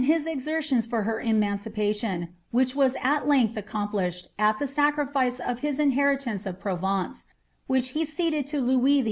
SOU nerlions for her emancipaiion, which was al length accompliBhed, U ;he sacritice of his inheritance of Proven(;e, which he ceileJ lo I>iuts jCI.